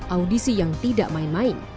audisi yang tidak main main